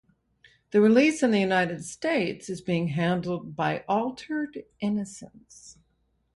The release in the United States is being handled by Altered Innocence.